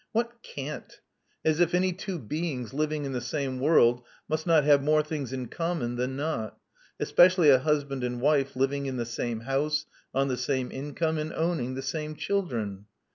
What cant! As if any two beings living in the same world must not have more things in common than not; especially a husband and wife living in the same house, on the same income, and owning the same children.